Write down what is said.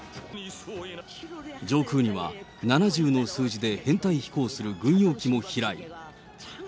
上空には、７０の数字で編隊飛行する軍用機も飛来。